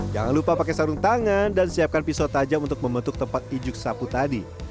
jangan lupa pakai sarung tangan dan siapkan pisau tajam untuk membentuk tempat ijuk sapu tadi